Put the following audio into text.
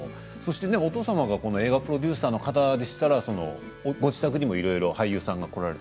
お父様が映画プロデューサーの方でしたがご自宅にもいろいろ俳優さんが来られて。